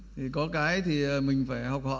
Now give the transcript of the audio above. thì có cái thì mình phải học họ